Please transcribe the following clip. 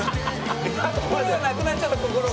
心がなくなっちゃった心が。